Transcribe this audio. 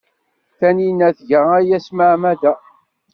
Tanina tga aya s tmeɛmada.